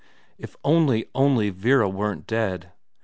If only, only Vera weren't dead